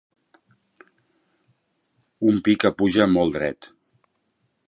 Un pi que puja molt dret.